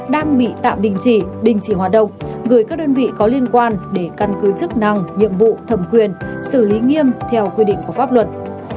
đang bị tạm đình chỉ đình chỉ hoạt động gửi các đơn vị có liên quan để căn cứ chức năng nhiệm vụ thầm quyền xử lý nghiêm theo quy định của pháp luật